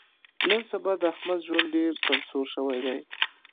نن سبا د احمد ژوند ډېر سمسور شوی دی.